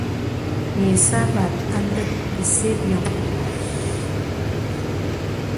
Yì sâbāt à lək bìsə bìoŋ.